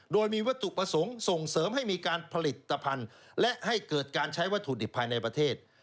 โดยมีวัตถุประสงค์ส่งเสริมให้มีการผลิตภัณฑ์และให้เกิดการใช้วัตถุดิบภายในประเทศ